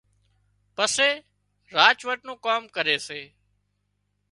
پسي راچ ورچ نُون ڪام ڪري سي